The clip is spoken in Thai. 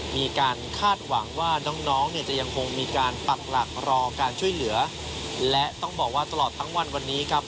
มีการคาดหวังว่าน้องน้องเนี่ยจะยังคงมีการปักหลักรอการช่วยเหลือและต้องบอกว่าตลอดทั้งวันวันนี้ครับ